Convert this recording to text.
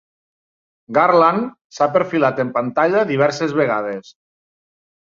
Garland s'ha perfilat en pantalla diverses vegades.